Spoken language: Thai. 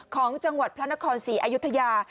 ของจังหวัดพระนครศรีอยุธยา